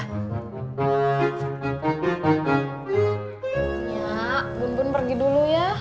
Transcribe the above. ya bun bun pergi dulu ya